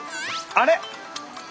あれ？